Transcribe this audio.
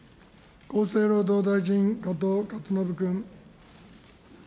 厚生労働大臣、加藤勝信君。